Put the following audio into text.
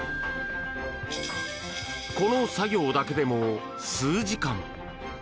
この作業だけでも数時間。